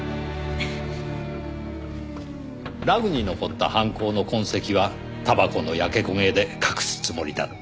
ラグに残った犯行の痕跡はたばこの焼け焦げで隠すつもりだった。